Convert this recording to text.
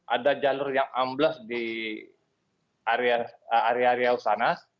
ada jalur yang ambles di area riau sana